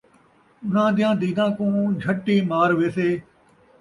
اُنھاں دِیاں دِیداں کوں جَھٹی مار ویسے